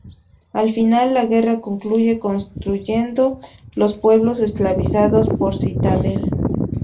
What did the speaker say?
Al final, la guerra concluye reconstruyendo los pueblos esclavizados por Citadel.